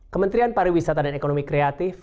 kementerian pariwisata dan ekonomi kreatif